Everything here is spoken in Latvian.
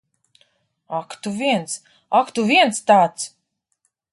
Ak tu viens. Ak, tu viens tāds!